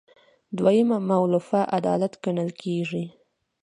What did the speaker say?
دویمه مولفه عدالت ګڼل کیږي.